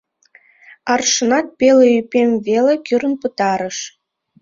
Аршынат пеле ӱпем веле кӱрын пытарыш